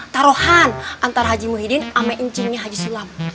taruhan antara haji muhyiddin sama incingnya haji sulam